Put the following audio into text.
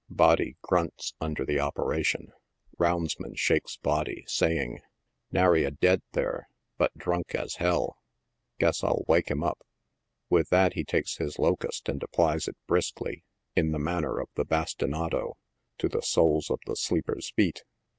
Body grunts under the operation ; roundsman shakes body, saying, " nary a dead there, bnt drunk as h 11 ; guess I'll wake him up !" With that he takes his locust and applies it briskly, in the manner of the bastinado, to the soles of the sleeper's feet.